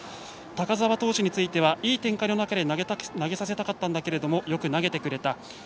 高澤投手についてはいい展開の中で投げさせたかったんだけどもよく投げてくれた。